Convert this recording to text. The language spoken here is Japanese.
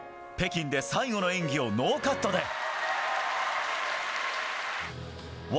北京で最後の演技をノーカットで。